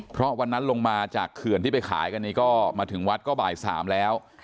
เพราะวันนั้นลงมาจากเขื่อนที่ไปขายกันนี้ก็มาถึงวัดก็บ่าย๓แล้ว